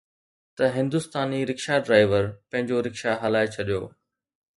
ته هندستاني rickshaw driver پنهنجو رڪشا هلائي ڇڏيو